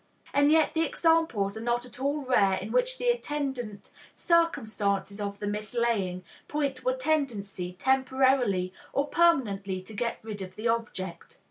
And yet the examples are not at all rare in which the attendant circumstances of the mislaying point to a tendency temporarily or permanently to get rid of the object.